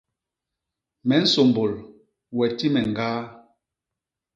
Me nsômbôl, we ti me ñgaa.